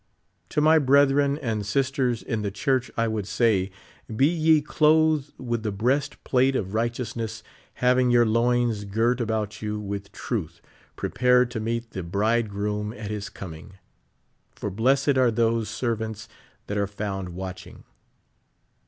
'IV) my ])retliren and sisters iii the church I would say, lie ye clothed with the breast plate of righteousness, hav ing your loins girt about you with truth, prepared to meet the l)ridegroom at his coming; for blessed are those ser vants tliat are found watching.